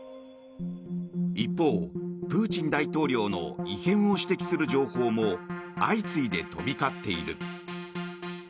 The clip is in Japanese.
一方、プーチン大統領の異変を指摘する情報も相次いで飛び交っている。